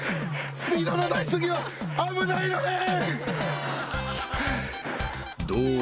スピードの出し過ぎは危ないのねん。